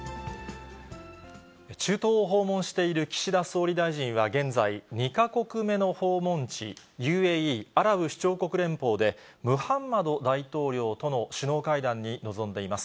中東を訪問している岸田総理大臣は現在、２か国目の訪問地、ＵＡＥ・アラブ首長国連邦で、ムハンマド大統領との首脳会談に臨んでいます。